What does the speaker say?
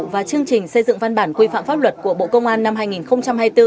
và chương trình xây dựng văn bản quy phạm pháp luật của bộ công an năm hai nghìn hai mươi bốn